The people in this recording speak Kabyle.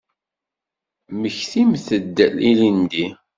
Mmektimt-d ilindi.